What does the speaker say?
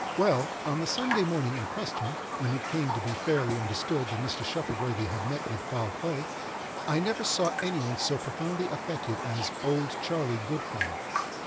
Well, on the Sunday morning in question, when it came to be fairly understood that Mr. Shuttleworthy had met with foul play, I never saw any one so profoundly affected as "Old Charley Goodfellow."